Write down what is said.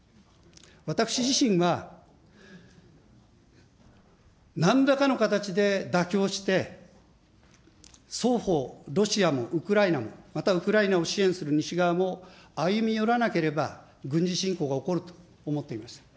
私自身がなんらかの形で妥協して、双方、ロシアもウクライナも、またウクライナを支援する西側も、歩み寄らなければ、軍事侵攻が起こると思っていました。